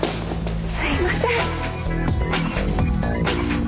すみません。